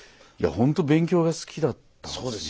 ほんと勉強が好きだったんですね。